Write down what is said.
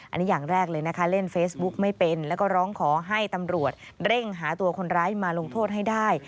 อันนี้อย่างแรกเลยนะคะเล่นเฟซบุ๊กไม่เป็นแล้วก็ร้องขอให้ตำรวจเร่งหาตัวคนร้ายมาลงโทษให้ได้